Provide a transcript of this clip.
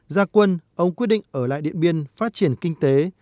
gia quân ông quyết định ở lại điện biên phát triển kinh tế